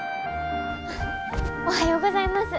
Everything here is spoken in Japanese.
おはようございます。